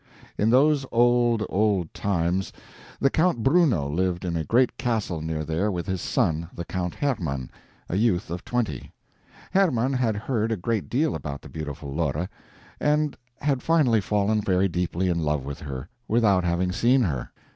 In those old, old times, the Count Bruno lived in a great castle near there with his son, the Count Hermann, a youth of twenty. Hermann had heard a great deal about the beautiful Lore, and had finally fallen very deeply in love with her without having seen her.